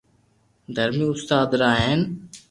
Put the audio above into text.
درھمي استاد را ھين